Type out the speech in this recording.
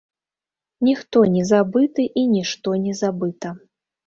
Ніхто не забыты і нішто не забыта.